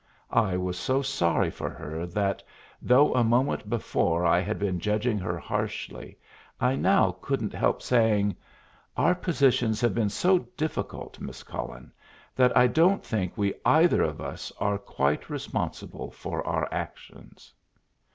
I was so sorry for her that, though a moment before I had been judging her harshly, I now couldn't help saying, "Our positions have been so difficult, Miss Cullen, that I don't think we either of us are quite responsible for our actions."